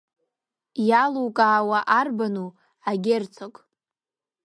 Иалукаауа арбану, агерцог?